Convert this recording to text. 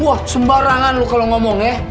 wah sembarangan lu kalau ngomong ya